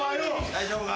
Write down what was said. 大丈夫か？